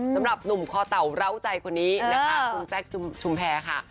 สำหรับหนุ่มคอเต่าเหล้าใจคนนี้นะคะคุณแซคชุมแพรค่ะ